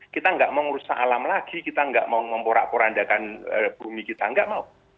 kita nggak mau ngurus alam lagi kita nggak mau memporak porandakan bumi kita nggak mau